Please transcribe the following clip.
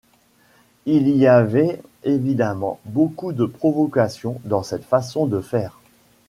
Il y avait évidemment beaucoup de provocation dans cette façon de faire.